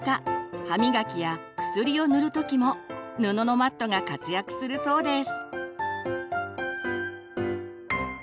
歯磨きや薬を塗る時も布のマットが活躍するそうです。